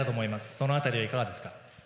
その辺りは、いかがですか。